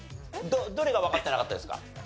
どれがわかってなかったですか？